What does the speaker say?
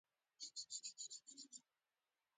اروپایان به د پیرو شاوخوا سیمو کې مېشت شوي وای.